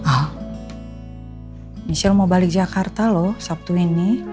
oh michelle mau balik jakarta loh sabtu ini